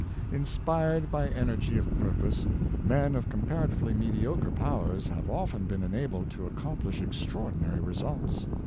Inspired by energy of purpose, men of comparatively mediocre powers have often been enabled to accomp lish extraordinary results.